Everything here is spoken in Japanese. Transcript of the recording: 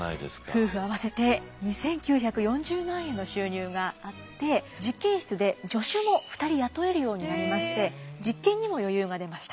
夫婦合わせて２，９４０万円の収入があって実験室で助手も２人雇えるようになりまして実験にも余裕が出ました。